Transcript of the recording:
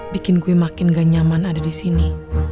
bikin gue makin gak nyaman ada disini